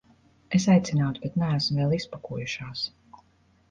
Es aicinātu, bet neesam vēl izpakojušās.